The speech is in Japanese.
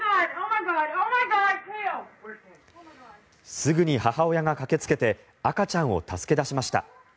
すぐに母親が駆けつけて赤ちゃんを助け出しました。